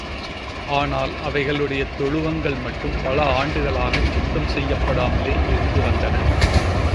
ஆனால், அவைகளுடைய தொழுவங்கள் மட்டும் பல ஆண்டுகளாகச் சுத்தம் செய்யப்படாமலே இருந்து வந்தன.